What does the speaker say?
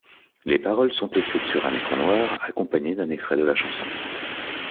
Les paroles sont écrites sur un écran noir accompagnées d'un extrait de la chanson.